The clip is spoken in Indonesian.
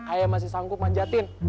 ayah masih sanggup manjatin